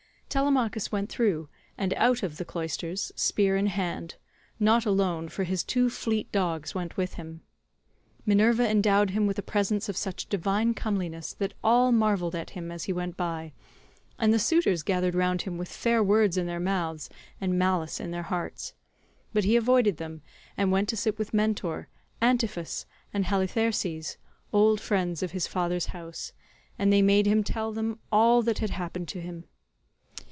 Telemachus went through, and out of, the cloisters spear in hand—not alone, for his two fleet dogs went with him. Minerva endowed him with a presence of such divine comeliness that all marvelled at him as he went by, and the suitors gathered round him with fair words in their mouths and malice in their hearts; but he avoided them, and went to sit with Mentor, Antiphus, and Halitherses, old friends of his father's house, and they made him tell them all that had happened to him.